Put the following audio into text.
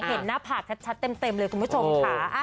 หน้าผากชัดเต็มเลยคุณผู้ชมค่ะ